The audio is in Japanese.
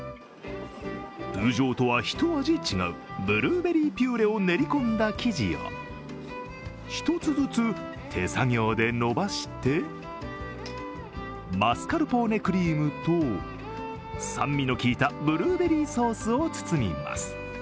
通常とはひと味違うブルーベリーピューレを練り込んだ生地を１つずつ手作業で伸ばして、マスカルポーネクリームと酸味の効いたブルーベリーソースを包みます。